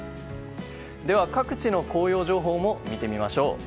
では各地の紅葉情報も見てみましょう。